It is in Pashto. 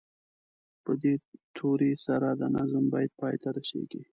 په دې توري سره د نظم بیت پای ته رسیږي.